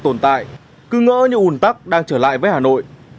tồn tại cứ ngỡ như ủn tắc đang trở lại với hà nội